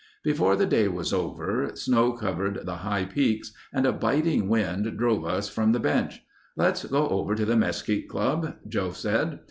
Before the day was over, snow covered the high peaks and a biting wind drove us from the bench. "Let's go over to the Mesquite Club," Joe said.